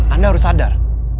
anda harus sadar